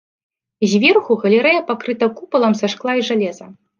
Зверху галерэя пакрыта купалам са шкла і жалеза.